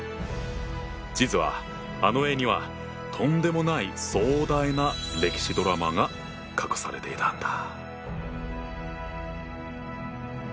実はあの絵にはとんでもない壮大な歴史ドラマが隠されていたんだ。